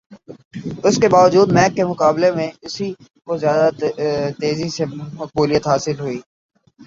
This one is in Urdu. اس کے باوجود میک کے مقابلے میں اسی کو زیادہ تیزی سے مقبولیت حاصل ہوئی